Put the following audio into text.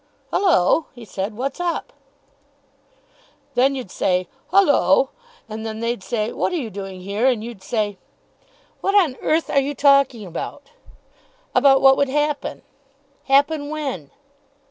"Hullo?" he said. "What's up?" "Then you'd say. 'Hullo!' And then they'd say, 'What are you doing here? 'And you'd say " "What on earth are you talking about?" "About what would happen." "Happen when?"